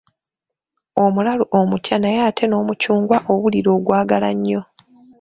Omulalu omutya naye ate n'omucungwa owulira ng'ogwagala nnyo.